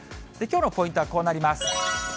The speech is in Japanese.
きょうのポイントはこうなります。